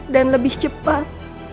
dan lebih cepat